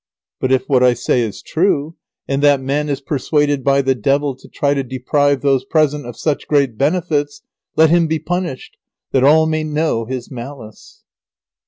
But if what I say is true, and that man is persuaded by the Devil to try to deprive those present of such great benefits, let him be punished, that all may know his malice."